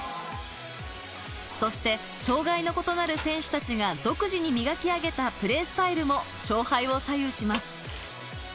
そして障がいの異なる選手たちが独自に磨き上げたプレースタイルも勝敗を左右します。